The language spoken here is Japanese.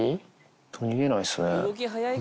逃げないですね。